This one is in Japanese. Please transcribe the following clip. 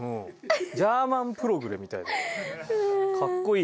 ジャーマンプログレみたいだよ。